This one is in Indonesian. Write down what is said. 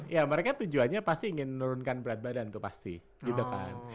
ya mereka tujuannya pasti ingin menurunkan berat badan tuh pasti gitu kan